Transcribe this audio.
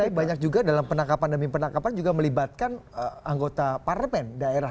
tapi banyak juga dalam penangkapan demi penangkapan juga melibatkan anggota parlemen daerah